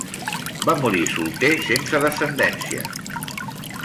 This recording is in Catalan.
Va morir solter sense descendència.